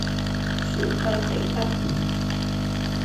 属河北道。